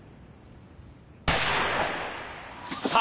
さあ